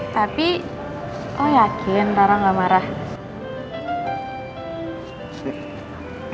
tapi lo yakin rara gak marah